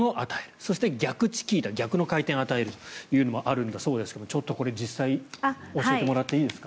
そして逆チキータ逆の回転を与えるというのもあるそうですがちょっとこれ、実際に教えてもらっていいですか？